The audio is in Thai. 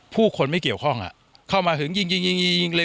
ผู้คนไม่เกี่ยวข้องเข้ามาถึงยิงยิงเลย